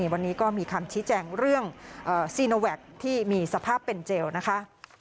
วันนี้ก็มีคำชี้แจงเรื่องซีโนแวคที่มีสภาพเป็นเจลนะคะ